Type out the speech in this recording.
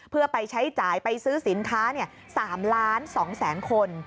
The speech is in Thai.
เพื่อไปใช้จ่ายไปซื้อสินค้า๓ล้าน๒แสนคน